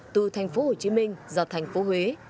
từ thành phố hồ chí minh ra thành phố huế